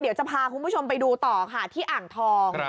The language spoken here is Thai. เดี๋ยวจะพาคุณผู้ชมไปดูต่อค่ะที่อ่างทอง